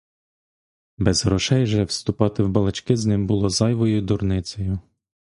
Без грошей же вступати в балачки з ним було зайвою дурницею.